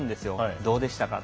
どうでしたかと。